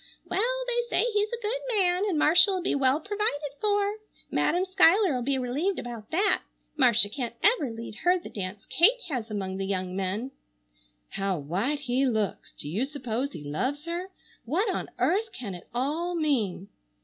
Well, they say he's a good man and Marcia'll be well provided for. Madam Schuyler'll be relieved about that. Marcia can't ever lead her the dance Kate has among the young men. How white he looks! Do you suppose he loves her? What on earth can it all mean?